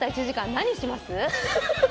何します？